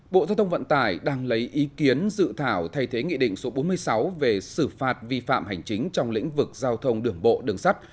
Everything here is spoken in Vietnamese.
bộ giao thông vận tải đang lấy ý kiến dự thảo thay thế nghị định số bốn mươi sáu về xử phạt vi phạm hành chính trong lĩnh vực giao thông đường bộ đường sắt